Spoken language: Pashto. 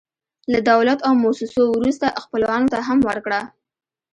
له دولت او موسسو وروسته، خپلوانو ته هم ورکړه.